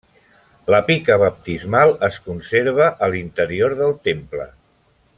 La pica baptismal es conserva a l'interior del temple.